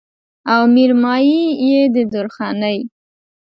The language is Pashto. او مېرمايي يې د درخانۍ